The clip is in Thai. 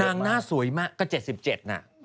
นางหน้าสวยมากก็๗๗น่ะ